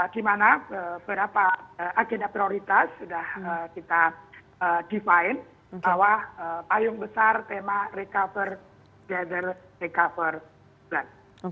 di mana berapa agenda prioritas sudah kita define bahwa payung besar tema recover data recovery plan